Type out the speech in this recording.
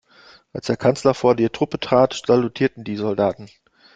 Als der Kanzler vor die Truppe trat, salutierten die Soldaten.